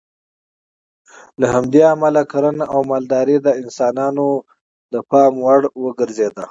له همدې امله کرنه او مالداري د انسانانو پام وړ وګرځېده.